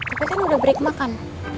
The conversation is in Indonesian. aku kan udah break makan